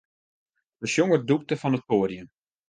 De sjonger dûkte fan it poadium.